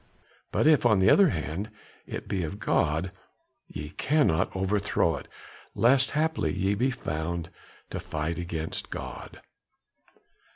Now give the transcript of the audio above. But if, on the other hand, it be of God, ye cannot overthow it, lest haply ye be found to fight against God."